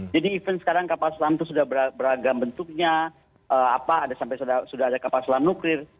jadi even sekarang kapal selam itu sudah beragam bentuknya sampai sudah ada kapal selam nuklir